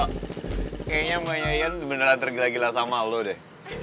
kayaknya makanya yan beneran tergila gila sama lo deh